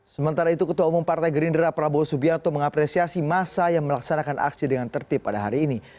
sementara itu ketua umum partai gerindra prabowo subianto mengapresiasi masa yang melaksanakan aksi dengan tertib pada hari ini